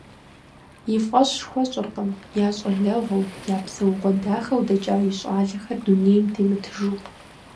И фӀэщ хуэщӀыркъым я щӀалэгъуэу, я псэугъуэ дахэу дэкӀа и щӀалэхэр дунейм темытыжу.